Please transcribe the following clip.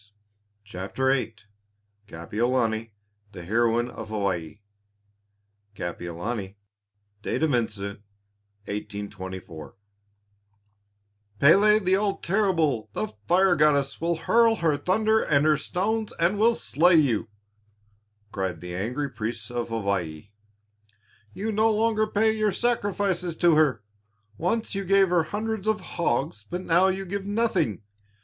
] CHAPTER VIII KAPIOLANI, THE HEROINE OF HAWAII Kapiolani (Date of Incident, 1824) "Pélé the all terrible, the fire goddess, will hurl her thunder and her stones, and will slay you," cried the angry priests of Hawaii. "You no longer pay your sacrifices to her. Once you gave her hundreds of hogs, but now you give nothing.